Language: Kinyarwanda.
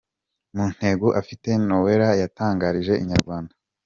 Mu ntego afite, Noella yatangarije inyarwanda.